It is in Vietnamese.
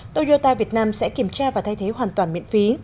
toyota việt nam sẽ kiểm tra và thay thế hoàn toàn miễn phí